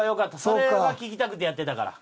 それが聞きたくてやってたから。